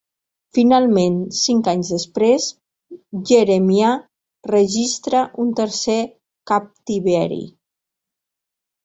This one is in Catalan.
Finalment, cinc anys després, Jeremiah registra un tercer captiveri.